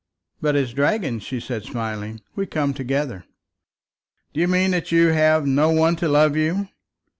"But as dragons," she said, smiling, "we come together." "Do you mean that you have no one to love you?"